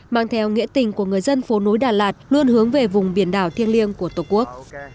mang theo nghĩa tình của người dân phố núi đà lạt luôn hướng về vùng biển đảo thiêng liêng của tổ quốc